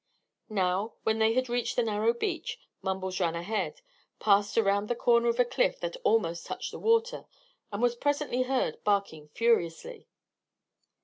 Now, when they had reached the narrow beach, Mumbles ran ahead, passed around the corner of a cliff that almost touched the water, and was presently heard barking furiously.